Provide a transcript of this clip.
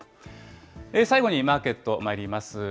最後にマーケットまいります。